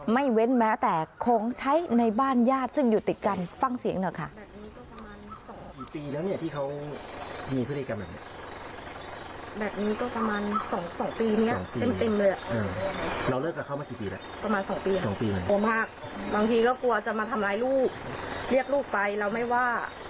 เว้นแม้แต่ของใช้ในบ้านญาติซึ่งอยู่ติดกันฟังเสียงหน่อยค่ะ